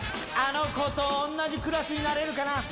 あの子とおんなじクラスになれるかな？